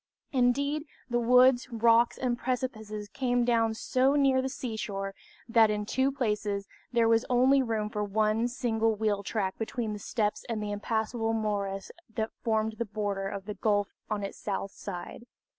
Indeed, the woods, rocks, and precipices came down so near the seashore, that in two places there was only room for one single wheel track between the steeps and the impassable morass that formed the border of the gulf on its south side.